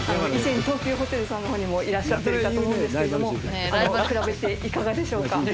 以前東急ホテルさんの方にもいらっしゃっていたと思うんですけれども比べていかがでしょうか？